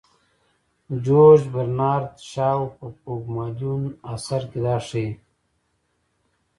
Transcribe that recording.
جورج برنارد شاو په پوګمالیون اثر کې دا ښيي.